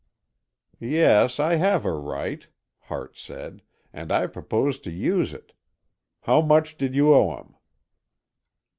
"Yes, I have a right," Hart said, "and I propose to use it. How much did you owe him?"